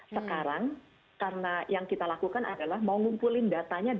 sekarang karena yang kita lakukan adalah mau ngumpulin datanya